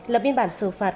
lập biên bản xử phạt